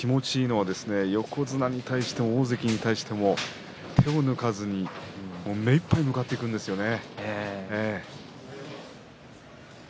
見ていて気持ちいいのは横綱に対しても大関に対しても手を抜かずに目いっぱいに向かっていくんですよね。